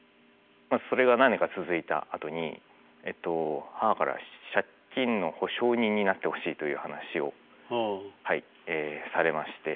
それが何年か続いたあとに母から借金の保証人になってほしいという話をされまして。